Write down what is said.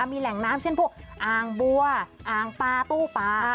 มีแหล่งน้ำเช่นพวกอ่างบัวอ่างปลาตู้ปลา